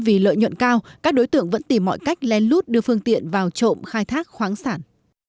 vì lợi nhuận cao các đối tượng vẫn tìm mọi cách len lút đưa phương tiện vào trộm khai thác khoáng sản